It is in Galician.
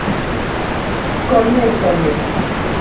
Coñézome.